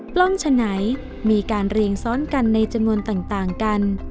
กล้องฉะไหนมีการเรียงซ้อนกันในจำนวนต่างกัน